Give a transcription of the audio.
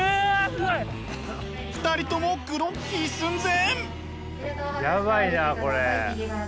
２人ともグロッキー寸前。